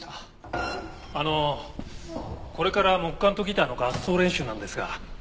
あのこれから木管とギターの合奏練習なんですが。